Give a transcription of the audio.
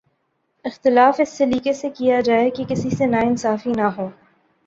اختلاف اس سلیقے سے کیا جائے کہ کسی سے ناانصافی نہ ہو